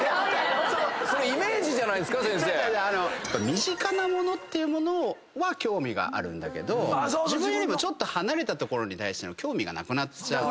身近なものっていうものは興味があるんだけど自分よりちょっと離れたところに対しての興味がなくなっちゃう。